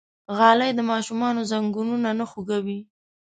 غالۍ د ماشومانو زنګونونه نه خوږوي.